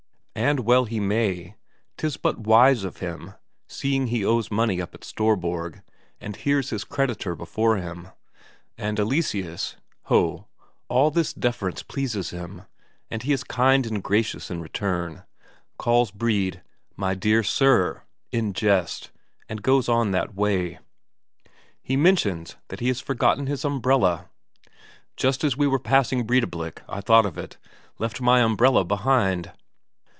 And well he may, 'tis but wise of him, seeing he owes money up at Storborg, and here's his creditor before him. And Eleseus? Ho, all this deference pleases him, and he is kind and gracious in return; calls Brede "My dear sir," in jest, and goes on that way. He mentions that he has forgotten his umbrella: "Just as we were passing Breidablik, I thought of it; left my umbrella behind."